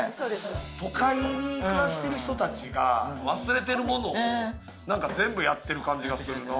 都会に暮らしてる人たちが忘れてるものを全部やってる感じがするな。